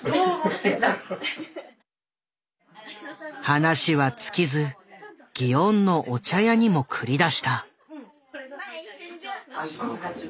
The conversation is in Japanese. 話は尽きず祇園のお茶屋にも繰り出した。